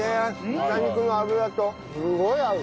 豚肉の脂とすごい合う。